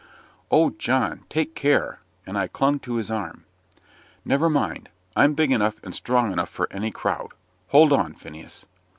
"Oh, John! take care!" and I clung to his arm. "Never mind! I'm big enough and strong enough for any crowd. Hold on, Phineas."